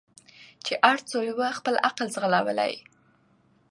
چي هر څو یې وو خپل عقل ځغلولی